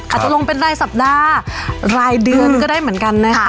อาจจะลงเป็นรายสัปดาห์รายเดือนก็ได้เหมือนกันนะคะ